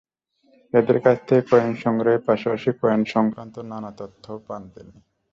এদের কাছ থেকে কয়েন সংগ্রহের পাশাপাশি কয়েনসংক্রান্ত নানা তথ্যও পান তিনি।